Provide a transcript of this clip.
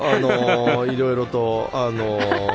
いろいろと。